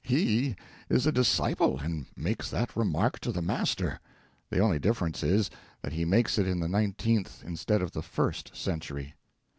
He is a disciple, and makes that remark to the Master; the only difference is, that he makes it in the nineteenth instead of the first century.